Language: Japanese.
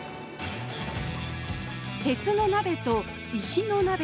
鉄の鍋と石の鍋です。